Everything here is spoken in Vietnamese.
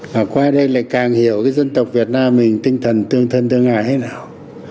và qua đây lại càng hiểu cái dân tộc việt nam mình tinh thần tương thân tương ái thế nào